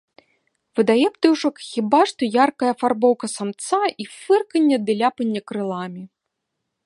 Выдае птушак хіба што яркая афарбоўка самца і фырканне ды ляпанне крыламі.